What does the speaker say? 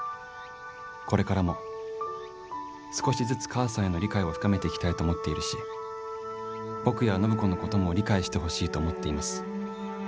これからも少しずつ母さんへの理解を深めていきたいと思っているし僕や暢子のことも理解してほしいと思っています。